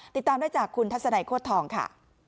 ติดตามได้จากคุณทัศนัยโคตรทองค่ะ